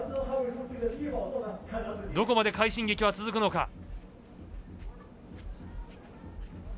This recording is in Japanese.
どこまで快進撃は続くのか。